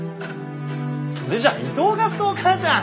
それじゃあ伊藤がストーカーじゃん。